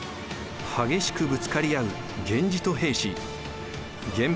激しくぶつかり合う源氏と平氏源平